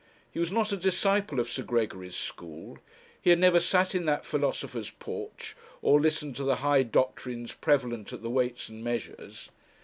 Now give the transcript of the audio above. He was not a disciple of Sir Gregory's school. He had never sat in that philosopher's porch, or listened to the high doctrines prevalent at the Weights and Measures.